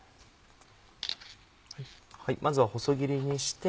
まずは細切りにして。